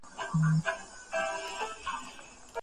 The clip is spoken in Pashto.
زوی به له ډېر وخته پلار ته کيسه کړې وي.